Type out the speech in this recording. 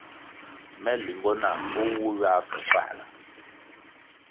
Me limbo nah o wu ywa ke Fāla.